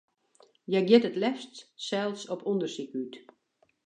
Hja giet it leafst sels op ûndersyk út.